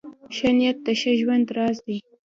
ښه نیت د ښه ژوند راز دی .